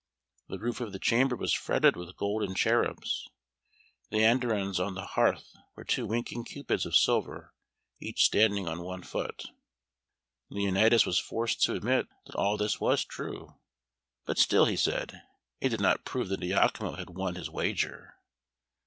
The roof of the chamber was fretted with golden cherubs; the andirons on the hearth were two winking Cupids of silver, each standing on one foot. Leonatus was forced to admit that all this was true; but still, he said, it did not prove that Iachimo had won his wager.